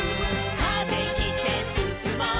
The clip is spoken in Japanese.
「風切ってすすもう」